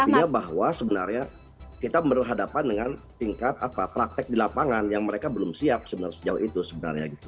artinya bahwa sebenarnya kita berhadapan dengan tingkat praktek di lapangan yang mereka belum siap sebenarnya sejauh itu sebenarnya